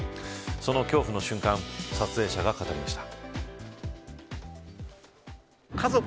その恐怖の瞬間を撮影者が語りました。